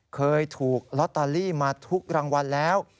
เคยถูกลอตเตอรี่มาทุกรางวัลแล้ว